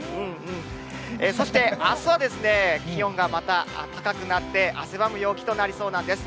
そしてあすは気温がまた高くなって、汗ばむ陽気となりそうなんです。